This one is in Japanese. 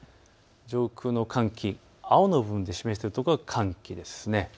上空の寒気、青の部分で示しているところが寒気です。